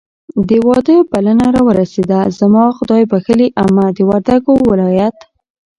د واده بلنه راورسېده. زما خدایبښلې عمه د وردګو ولایت